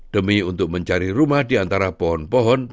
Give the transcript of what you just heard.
demi untuk mencari rumah di antara pohon pohon